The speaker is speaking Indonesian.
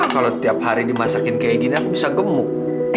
kalau tiap hari dimasakin kayak gini aku bisa gemuk